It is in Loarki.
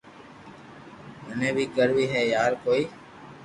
مني بي ڪروو ھي يار ڪوئي